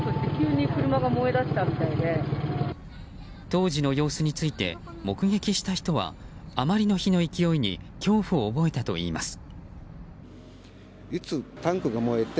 当時の様子について目撃した人はあまりの火の勢いに恐怖を覚えたといいます。